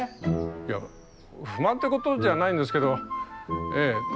いや不満ってことじゃないんですけどええ。